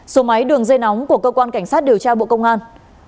số máy đường dây nóng của cơ quan cảnh sát điều tra bộ công an